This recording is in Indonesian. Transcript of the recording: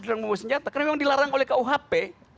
tidak membawa senjata karena memang dilarang oleh kuhp